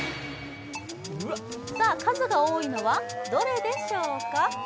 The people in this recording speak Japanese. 数が多いのは、どれでしょうか。